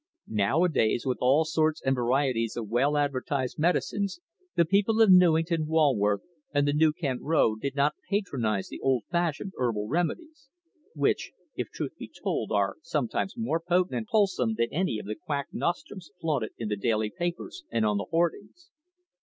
Nowadays, with all sorts and varieties of well advertised medicines, the people of Newington, Walworth, and the New Kent Road did not patronise the old fashioned herbal remedies, which, if truth be told, are perhaps more potent and wholesome than any of the quack nostrums flaunted in the daily papers and on the hoardings.